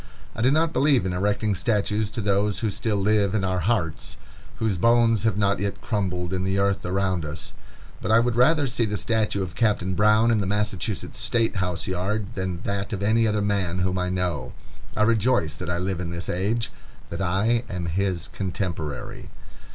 I do not believe in erecting statues to those who still live in our hearts, whose bones have not yet crumbled in the earth around us, but I would rather see the statue of Captain Brown in the Massachusetts State House yard, than that of any other man whom I know. I rejoice that I live in this age, that I am his contemporary.